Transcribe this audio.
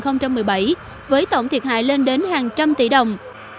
năm hai nghìn một mươi bảy với tổng thiệt hại lên đến hàng trăm tỷ đồng